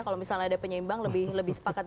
kalau misalnya ada penyeimbang lebih sepakat